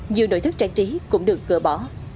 nhiều nội thất trang trí cũng được dỡ bỏ